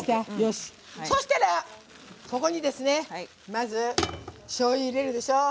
そうしたら、ここにまずしょうゆ入れるでしょ。